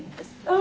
あ。